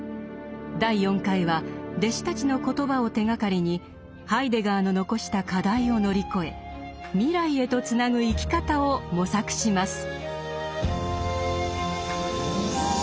第４回は弟子たちの言葉を手がかりにハイデガーの残した課題を乗り越え未来へとつなぐ生き方を模索します。